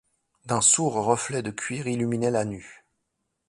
D'un sourd reflet de cuivre illuminait la nue